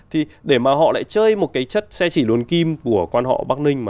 thì để mà họ lại chơi một cái chất xe chỉ luồn kim của quan họ bắc ninh